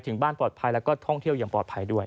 ถึงบ้านปลอดภัยแล้วก็ท่องเที่ยวอย่างปลอดภัยด้วย